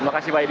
makasih pak edi